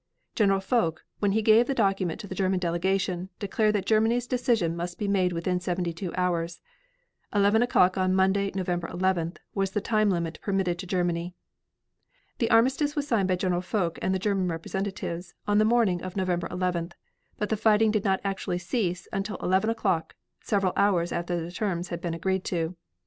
General Foch, when he gave the document to the German delegation, declared that Germany's decision must be made within seventy two hours. Eleven o'clock on Monday, November 11th, was the time limit permitted to Germany. The armistice was signed by General Foch and the German representatives on the morning of November 11th, but fighting did not actually cease until eleven o'clock, several hours after the terms had been agreed to.